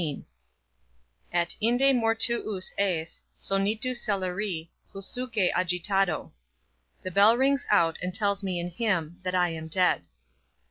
XVIII. AT INDE MORTUUS ES, SONITU CELERI, PULSUQUE AGITATO. _The bell rings out, and tells me in him, that I am dead.